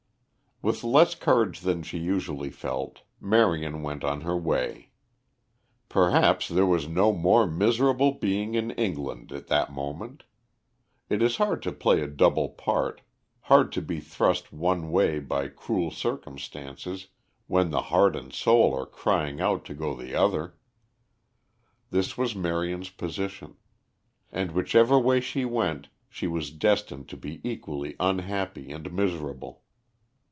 With less courage than she usually felt, Marion went on her way. Perhaps there was no more miserable being in England at that moment. It is hard to play a double part, hard to be thrust one way by cruel circumstances when the heart and soul are crying out to go the other. This was Marion's position. And whichever way she went she was destined to be equally unhappy and miserable.